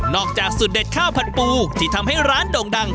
จากสูตรเด็ดข้าวผัดปูที่ทำให้ร้านโด่งดัง